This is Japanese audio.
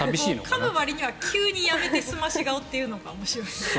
かむわりに急にやめて澄まし顔というのが面白いですね。